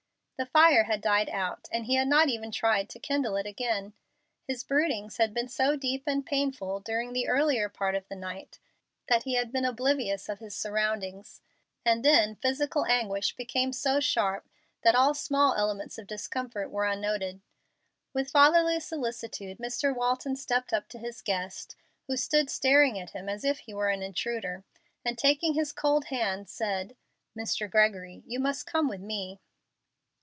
The fire had died out, and he had not even tried to kindle it again. His broodings had been so deep and painful during the earlier part of the night that he had been oblivious of his surroundings, and then physical anguish became so sharp that all small elements of discomfort were unnoted. With fatherly solicitude Mr. Waiton stepped up to his guest, who stood staring at him as if he were an intruder, and taking his cold hand, said, "Mr. Gregory, you must come with me."